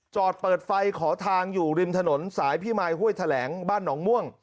จอดเปิดไฟขอทางอยู่ริมถนนสายพี่มายห้วยแถลงบ้านหนองม่วง